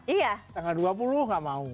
iya tanggal dua puluh nggak mau